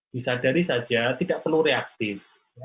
disadari saja tidak perlu reaktif